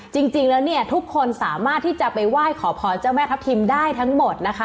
จริงแล้วเนี่ยทุกคนสามารถที่จะไปไหว้ขอพรเจ้าแม่ทัพทิมได้ทั้งหมดนะคะ